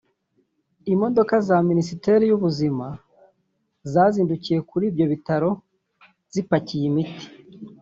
imodoka za Minisiteri y’ubuzima zazindukiye kuri ibyo bitaro zipakiye imiti